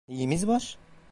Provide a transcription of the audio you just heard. Neyimiz var?